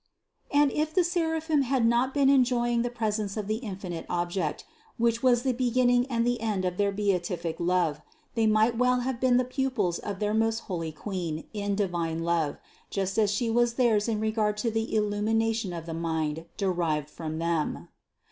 And 34 506 CITY OF GOD if the Seraphim had not been enjoying the presence of the infinite Object, which was the beginning and the end of their beatific love, they might well have been the pupils of their most holy Queen in divine love, just as She was theirs in regard to the illumination of the mind derived from them.